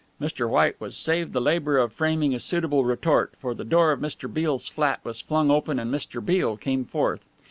Mr. White was saved the labour of framing a suitable retort, for the door of Mr. Beale's flat was flung open and Mr. Beale came forth.